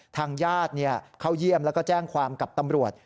ทางญาติเข้าเยี่ยมแล้วก็แจ้งความกับตำรวจ